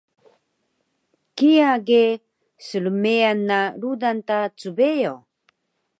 Kiya ge snlmeyan na rudan ta cbeyo